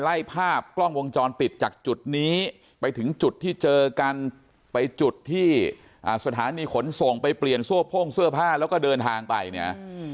ไล่ภาพกล้องวงจรปิดจากจุดนี้ไปถึงจุดที่เจอกันไปจุดที่สถานีขนส่งไปเปลี่ยนโซ่โพ่งเสื้อผ้าแล้วก็เดินทางไปเนี่ย